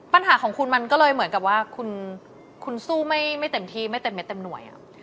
ปัญหาของคุณมันก็เลยเหมือนกับว่าคุณสู้ไม่เต็มที่ไม่เต็มเม็ดเต็มหน่วย